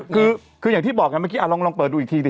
คืออย่างที่บอกไงเมื่อกี้ลองเปิดดูอีกทีดิ